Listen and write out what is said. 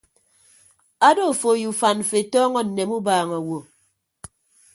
Ado afo ye ufan mfo etọọñọ nneme ubaaña awo.